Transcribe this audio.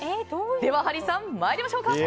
ではハリーさん、参りましょう。